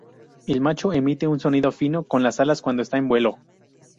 El macho emite un sonido fino con las alas cuando está en vuelo.